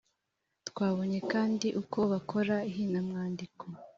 twabonye kandi uko bakora ihinamwandiko.